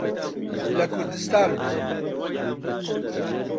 لە کوردستان بووم.